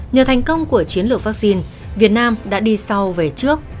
nhờ thành công của chiến lược vaccine việt nam đã đi sau về trước